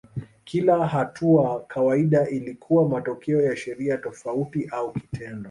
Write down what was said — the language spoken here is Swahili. Kila hatua kawaida ilikuwa matokeo ya sheria tofauti au kitendo.